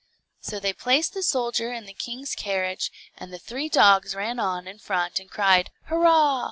So they placed the soldier in the king's carriage, and the three dogs ran on in front and cried "Hurrah!"